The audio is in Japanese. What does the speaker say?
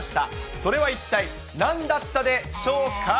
それは一体なんだったでしょうか。